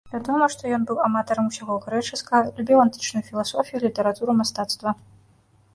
Вядома, што ён быў аматарам усяго грэчаскага, любіў антычную філасофію, літаратуру, мастацтва.